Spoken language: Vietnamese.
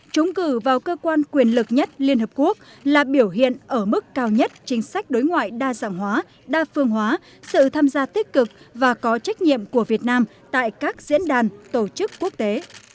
chúng cử vào cơ quan quyền lực nhất liên hợp quốc là biểu hiện ở mức cao nhất chính sách đối ngoại đa dạng hóa đa phương hóa sự tham gia tích cực và có trách nhiệm của việt nam tại các diễn đàn tổ chức quốc tế